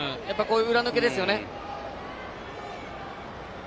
裏抜けですよね。